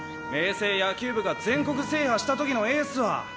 青野球部が全国制覇した時のエースは。